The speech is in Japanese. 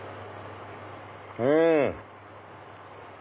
うん！